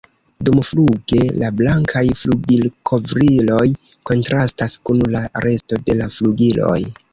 Dumfluge la blankaj flugilkovriloj kontrastas kun la resto de la flugiloj.